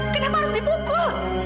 kita harus dipukul